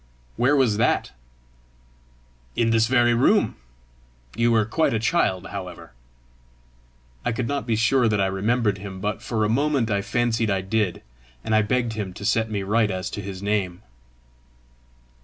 "Where was that?" "In this very room. You were quite a child, however!" I could not be sure that I remembered him, but for a moment I fancied I did, and I begged him to set me right as to his name.